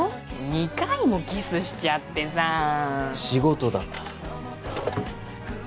二回もキスしちゃってさ仕事だ